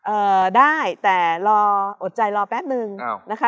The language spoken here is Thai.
เอ่อได้แต่รออดใจรอแป๊บนึงนะคะ